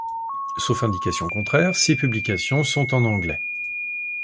Sauf indication contraire, ces publications sont en anglais.